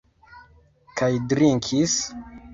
Kaj drinkis?